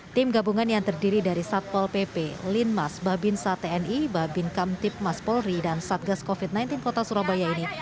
tim gabungan yang terdiri dari satpol pp linmas babinsa tni babin kamtip mas polri dan satgas covid sembilan belas kota surabaya ini